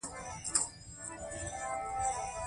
پسه چاغ وي نو ګټه لري.